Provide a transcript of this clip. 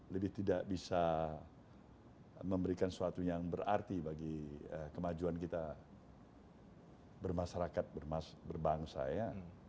lebih tidak bisa memberikan sesuatu yang berarti bagi kemajuan kita bermasyarakat berbangsa ya